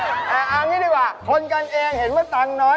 เอางี้ดีกว่าคนกันเองเห็นว่าตังค์น้อย